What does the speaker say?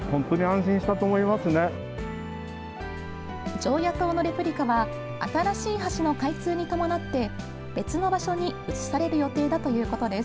常夜灯のレプリカは新しい橋の開通に伴って別の場所に移される予定だということです。